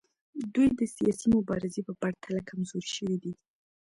دوی د سیاسي مبارزې په پرتله کمزورې شوي دي